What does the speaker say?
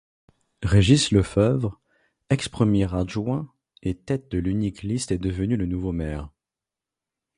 Régis Lefeuvre, ex-premier adjoint et tête de l'unique liste est devenu le nouveau maire.